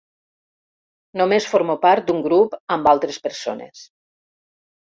Només formo part d'un grup amb altres persones.